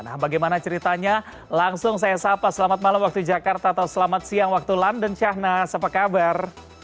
nah bagaimana ceritanya langsung saya sapa selamat malam waktu jakarta atau selamat siang waktu london syahnas apa kabar